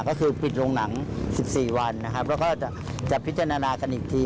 ก็คือปิดโรงหนัง๑๔วันนะครับแล้วก็จะพิจารณากันอีกที